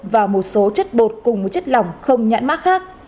và một số chất bột cùng chất lỏng không nhãn mắt khác